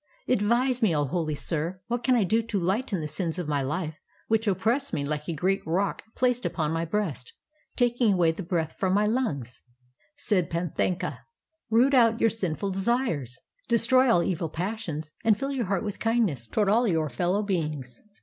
Advdse me, O holy sir, what I can do to Hghten the sins of my life which oppress me Hke a great rock placed upon my breast, taking away the breath from my lungs." 54 KARMA: A STORY OF BUDDHIST ETHICS Said Panthaka: "Root out your sinful desires; de stroy all evil passions, and fill your heart with kindness toward all your fellow beings."